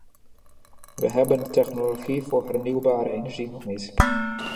We hebben de technologie voor hernieuwbare energie nog niet.